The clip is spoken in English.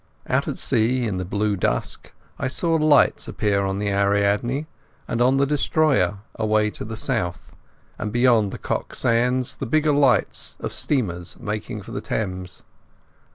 Out at sea in the blue dusk I saw lights appear on the Ariadne and on the destroyer away to the south, and beyond the Cock sands the bigger lights of steamers making for the Thames.